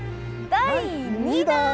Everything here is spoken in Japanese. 第２弾ー！